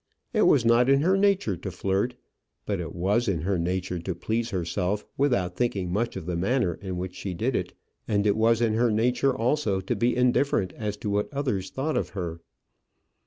It was not in her nature to flirt. But it was in her nature to please herself without thinking much of the manner in which she did it, and it was in her nature also to be indifferent as to what others thought of her.